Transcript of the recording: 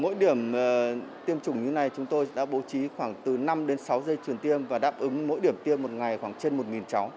mỗi điểm tiêm chủng như này chúng tôi đã bố trí khoảng từ năm đến sáu dây truyền tiêm và đáp ứng mỗi điểm tiêm một ngày khoảng trên một cháu